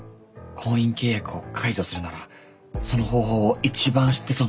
婚姻契約を解除するならその方法を一番知ってそうな人が来た。